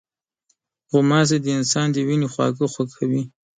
غوماشې د انسان د وینې خواږه خوښوي.